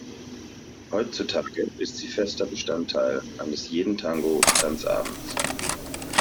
Heutzutage ist sie fester Bestandteil eines jeden Tango-Tanzabends.